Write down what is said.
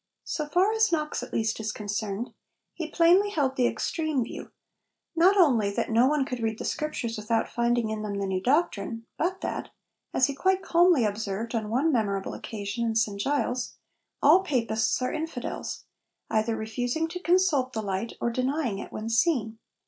So far as Knox at least is concerned, he plainly held the extreme view, not only that no one could read the Scriptures without finding in them the new doctrine, but that as he quite calmly observed on one memorable occasion in St Giles 'all Papists are infidels,' either refusing to consult the light, or denying it when seen.